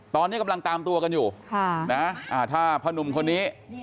ตอนนี้กำลังตามตัวกันอยู่ถ้าพนุ่มคนนี้